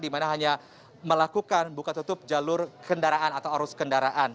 di mana hanya melakukan buka tutup jalur kendaraan atau arus kendaraan